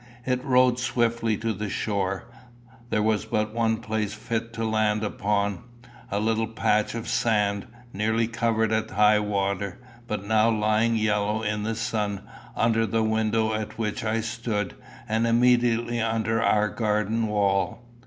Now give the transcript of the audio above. It rowed swiftly to the shore. There was but one place fit to land upon, a little patch of sand, nearly covered at high water, but now lying yellow in the sun, under the window at which I stood, and immediately under our garden wall.